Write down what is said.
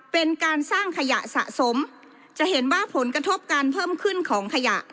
เป็นการสร้างขยะสะสมจะเห็นว่าผลกระทบการเพิ่มขึ้นของขยะ